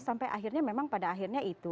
sampai akhirnya memang pada akhirnya itu